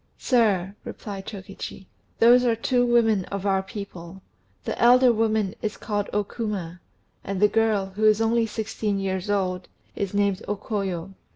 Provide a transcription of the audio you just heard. "Sir," replied Chokichi, "those are two women of our people. The elder woman is called O Kuma, and the girl, who is only sixteen years old, is named O Koyo.